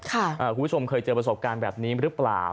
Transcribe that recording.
คุณผู้ชมเคยเจอประสบการณ์แบบนี้หรือเปล่า